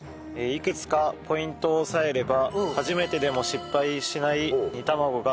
いくつかポイントを押さえれば初めてでも失敗しない煮玉子が作れます。